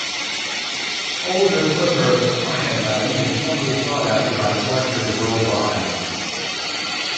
Older Quimper faience items are strongly sought after by collectors worldwide.